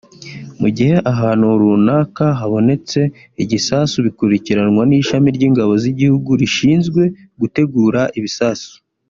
Mu gihe ahantu runaka habonetse igisasu bikurikiranwa n’ishami ry’ingabo z’igihugu rishinzwe gutegura ibisasu